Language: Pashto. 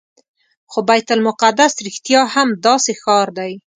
خو بیت المقدس رښتیا هم داسې ښار دی.